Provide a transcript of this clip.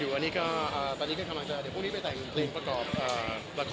ตอนหน้าเดี๋ยวจะแดดทางนะครับ